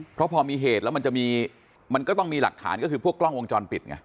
เพราะพอมีเหตุแล้วมันจะมีมันก็ต้องมีหลักฐานก็คือพวกกล้องวงจรปิดไง